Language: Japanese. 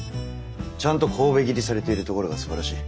ちゃんと神戸切りされているところがすばらしい。